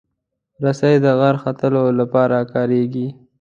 رسۍ د غر ختلو لپاره کارېږي.